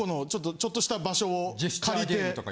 ちょっとした場所を借りて。